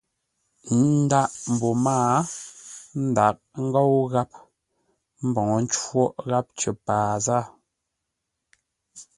N ndǎghʼ mbô mâa ndǎghʼ ńgóu gháp, mboŋə́ cóʼ gháp cər paa zâa.